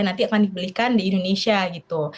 nanti akan dibelikan di indonesia gitu